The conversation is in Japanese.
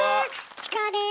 チコです。